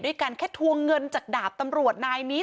กันแค่ทวงเงินจากดาบตำรวจนายนี้